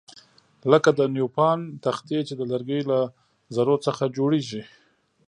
لکه د نیوپان تختې چې د لرګیو له ذرو څخه جوړیږي.